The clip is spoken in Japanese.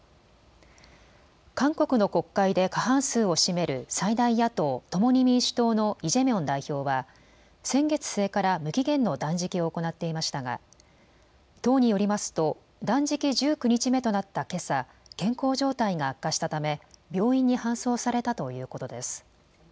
韓国の国会で過半数を占める最大野党・共に民主党のイ・ジェミョン代表は先月末から無期限の断食を行っていましたが党によりますと断食１９日目となったけさ、健康状態が悪化したため病院に搬送されたということです。